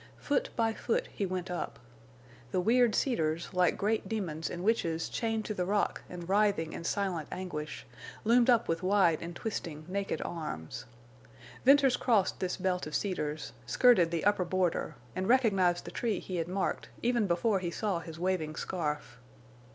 Foot by foot he went up. The weird cedars, like great demons and witches chained to the rock and writhing in silent anguish, loomed up with wide and twisting naked arms. Venters crossed this belt of cedars, skirted the upper border, and recognized the tree he had marked, even before he saw his waving scarf.